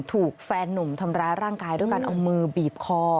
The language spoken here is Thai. ถูกแฟนหนุ่มทำร้ายร่างกายด้วยการเอามือบีบคอ